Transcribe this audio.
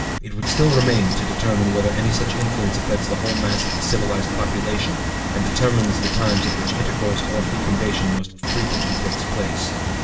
It would still remain, to determine whether any such influence affects the whole mass of the civilized population and determines the times at which intercourse, or fecundation, most frequently takes place.